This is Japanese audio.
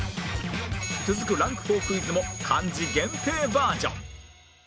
続くランク４クイズも漢字限定バージョン